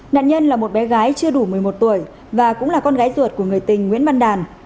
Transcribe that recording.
nạn nhân là một bé gái chưa đủ một mươi một tuổi và cũng là con gái ruột của người tình nguyễn văn đàn